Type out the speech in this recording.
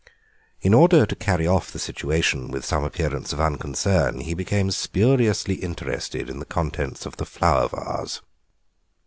In order to carry off the situation with some appearance of unconcern he became spuriously interested in the contents of the flower vase.